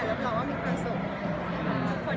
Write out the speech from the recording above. แล้วหลอกหวังว่ามีความสุขทุกคนในครอบครัว